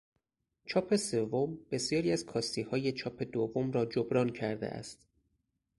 چاپ سوم بسیاری از کاستیهای چاپ دوم را جبران کرده است.